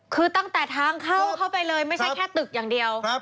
คือตั้งแต่ทางเข้าเข้าไปเลยไม่ใช่แค่ตึกอย่างเดียว